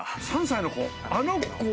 ３歳の子。